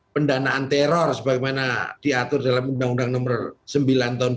pendanaan teror sebagaimana diatur dalam undang undang nomor sembilan tahun dua ribu